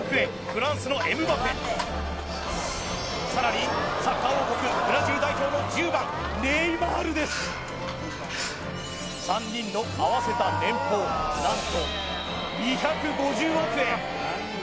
フランスのエムバペさらにサッカー王国ブラジル代表の１０番ネイマールです３人の合わせた年俸何と２５０億円